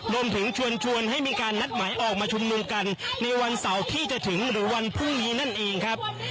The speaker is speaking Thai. รวมถึงชวนให้มีการนัดหมายออกมาชุมนุมกันในวันเสาร์ที่จะถึงหรือวันพรุ่งนี้นั่นเองครับ